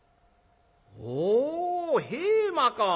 「ほう平馬か。